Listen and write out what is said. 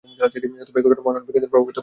তবে এই ঘটনা অন্য বিজ্ঞানীদের প্রভাবিত করল।